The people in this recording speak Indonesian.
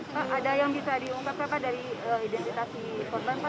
pak ada yang bisa diungkapkan dari identitasi korban pak